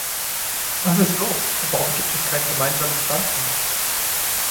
Was ist los, und warum gibt es keinen gemeinsamen Standpunkt?